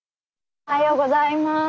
おはようございます。